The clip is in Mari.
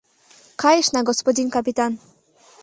Кайышна, господин капитан!